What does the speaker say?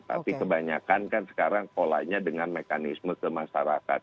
tapi kebanyakan kan sekarang polanya dengan mekanisme ke masyarakat